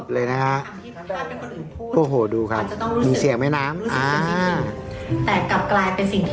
ได้แต่งงานกับผู้หญิงทีเท่ากับเจ้าชายอีก